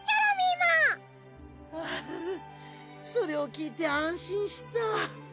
はあふっそれをきいてあんしんした。